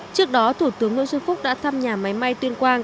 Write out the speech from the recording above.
trước đó thủ tướng nguyễn xuân phúc đã thăm nhà máy may tuyên quang